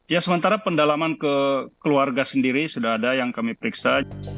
ya sementara pendalaman ke keluarga sendiri sudah ada yang kami periksa